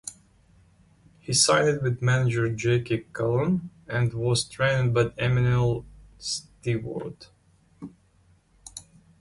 He signed with manager Jackie Kallen and was trained by Emanuel Steward.